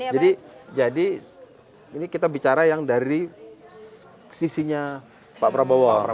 jadi ini kita bicara yang dari sisinya pak prabowo ya